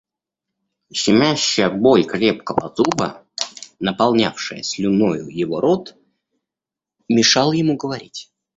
Щемящая боль крепкого зуба, наполнявшая слюною его рот, мешала ему говорить.